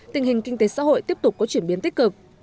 tình hình kinh tế xã hội tiếp tục có chuyển biến tích cực